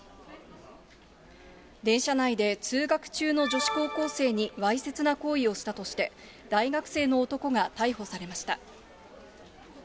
電車内で、通学中の女子高校生にわいせつな行為をしたとして、大学生の男が逮捕されました。